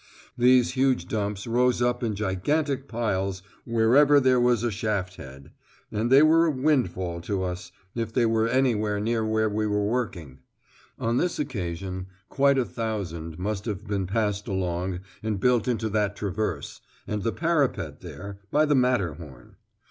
These huge dumps rose up in gigantic piles where ever there was a shaft head; and they were a windfall to us if they were anywhere near where we were working. On this occasion quite a thousand must have been passed along and built into that traverse, and the parapet there, by the Matterhorn.